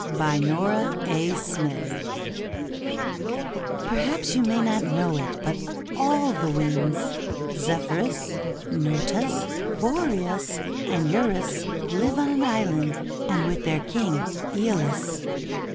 lERHAPS you may not know it, but all the winds, Zepliyrus, Notus, ' Boreas, and Eurus, live on an isl and with their king, Aeolus.